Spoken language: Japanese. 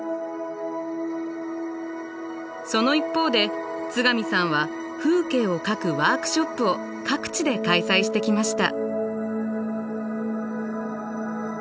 その一方で津上さんは風景を描くワークショップを各地で開催してきました。